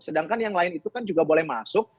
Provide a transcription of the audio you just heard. sedangkan yang lain itu kan juga boleh masuk